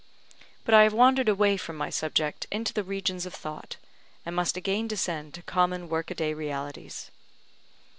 But I have wandered away from my subject into the regions of thought, and must again descend to common work a day realities.